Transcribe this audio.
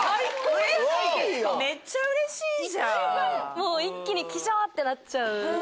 もう一気に。ってなっちゃう。